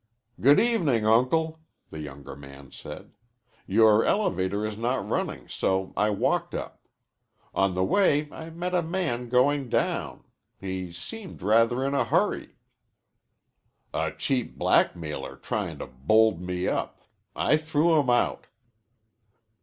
"Good evening, Uncle," the younger man said. "Your elevator is not running, so I walked up. On the way I met a man going down. He seemed rather in a hurry." "A cheap blackmailer trying to bold me up. I threw him out."